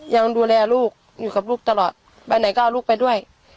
ยังดูแลลูกอยู่กับลูกตลอดไปไหนก็เอาลูกไปด้วย